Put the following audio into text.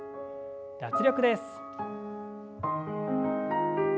脱力です。